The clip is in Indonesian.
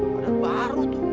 padahal baru tuh